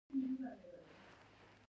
دلته د کلیسا په منځ کې یوه تیږه ده.